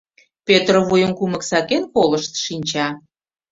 Пӧтыр вуйым кумык сакен колышт шинча.